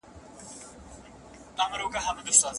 د نکاح په زیاتوالي کې د چا حکمتونه نغښتي دي؟